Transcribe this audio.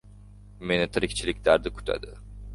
Meni tirikchilik dardi kutadi...